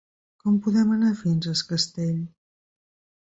Com podem anar fins a Es Castell?